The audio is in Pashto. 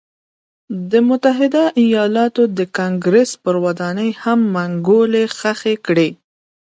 د متحده ایالتونو د کانګرېس پر ودانۍ هم منګولې خښې کړې.